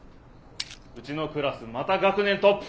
うちのクラスまた学年トップ。